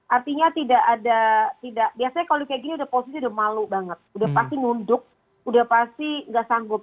artinya tidak ada tidak biasanya kalau kayak gini udah posisi udah malu banget udah pasti nunduk udah pasti nggak sanggup